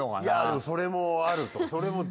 いやそれもあると。